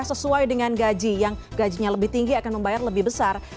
sesuai dengan gaji yang gajinya lebih tinggi akan membayar lebih besar